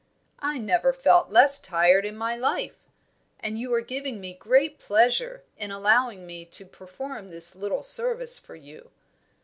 "I never felt less tired in my life! And you are giving me great pleasure, in allowing me to perform this little service for you."